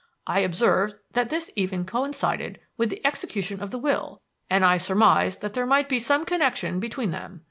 I observed that this even coincided with the execution of the will, and I surmised that there might be some connection between them.